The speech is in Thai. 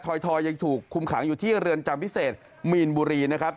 ยังถูกคุมขังอยู่ที่เรือนจำพิเศษมีนบุรีนะครับ